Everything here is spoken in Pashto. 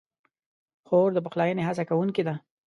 خور د پخلاینې هڅه کوونکې ده.